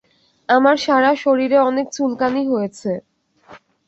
আমার সারা শরীরে অনেক চুলকানি হয়েছে।